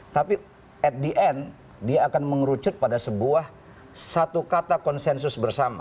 tapi at the end dia akan mengerucut pada sebuah satu kata konsensus bersama